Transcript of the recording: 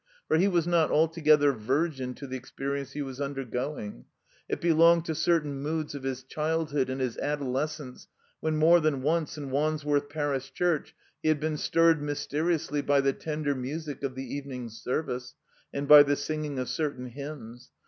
For he was not altogether virgin to the experience he was undergoing. It belonged to certain moods of his childhood and his adolescence when more than once, in Wandsworth Parish Church, he had been stirred mysteriously by the tender music of the Even ing Service, and by the singing of certain hymns.